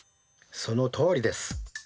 そのとおりです。